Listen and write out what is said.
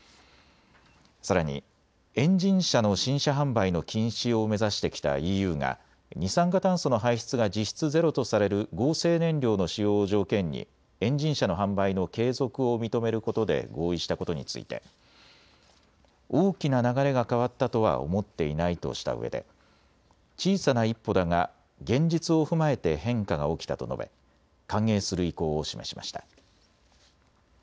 さらにエンジン車の新車販売の禁止を目指してきたＥＵが二酸化炭素の排出が実質ゼロとされる合成燃料の使用を条件にエンジン車の販売の継続を認めることで合意したことについて大きな流れが変わったとは思っていないとしたうえで小さな一歩だが現実を踏まえて変化が起きたと述べ歓迎する意向を示しました。